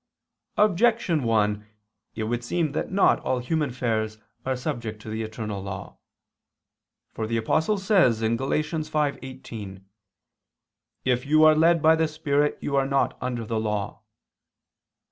Objection 1: It would seem that not all human affairs are subject to the eternal law. For the Apostle says (Gal. 5:18): "If you are led by the spirit you are not under the law."